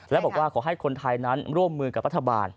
และบอกว่าขอให้คนไทยนั้นร่วมมือกับรัฐบาล